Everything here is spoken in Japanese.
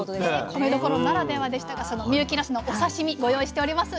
米どころならではでしたがその深雪なすのお刺身ご用意しております。